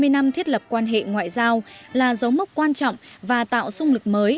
hai mươi năm thiết lập quan hệ ngoại giao là dấu mốc quan trọng và tạo sung lực mới